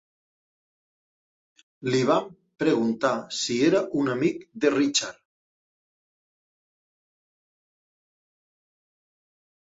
Li vam preguntar si era un amic de Richard.